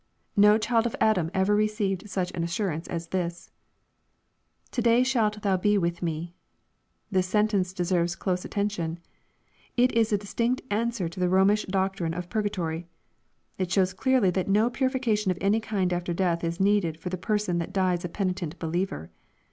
No child of Adam ever received such an assurance as thia [To day shalt thou be wUh me.] This sentence deserves close attention* It is a distinct answer to the Romish doctrine of purgatory. It shows clearly that no purification of any kind after death is needed for the person that dies a penitent believer.